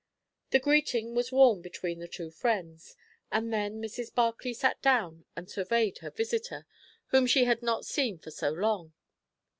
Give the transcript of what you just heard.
The greeting was warm between the two friends; and then Mrs. Barclay sat down and surveyed her visitor, whom she had not seen for so long.